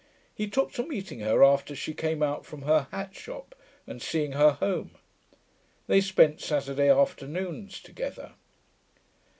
He took to meeting her after she came out from her hat shop and seeing her home. They spent Saturday afternoons together.